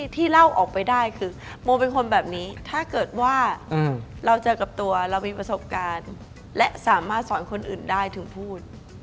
ที่เล่าออกไปได้คือโมเป็นคนแบบนี้ถ้าเกิดว่าเราเจอกับตัวเรามีประสบการณ์และสามารถสอนคนอื่นได้ถึงพูด